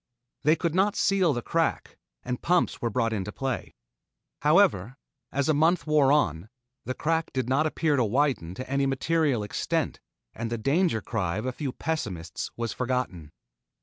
They could not seal the crack, and pumps were brought into play. However, as a month wore on, the crack did not appear to widen to any material extent and the danger cry of a few pessimists was forgotten.